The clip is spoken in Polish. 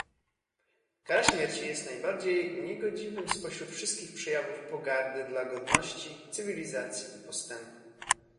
Kara śmierci jest najbardziej niegodziwym spośród wszystkich przejawów pogardy dla godności, cywilizacji i postępu